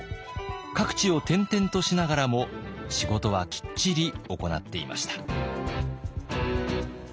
各地を転々としながらも仕事はきっちり行っていました。